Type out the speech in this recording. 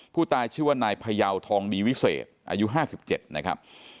ผู้ตายชื่อว่านายพยาวทองดีวิเศษอายุ๕๗นะครับ